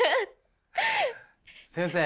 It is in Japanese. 先生。